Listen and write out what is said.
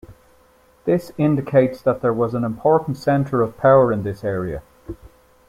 This indicates that there was an important center of power in this area.